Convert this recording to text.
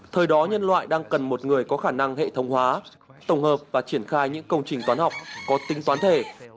thời đó nhân loại đang cần một người có khả năng hệ thống hóa tổng hợp và triển khai những công trình toán học có tính toán thể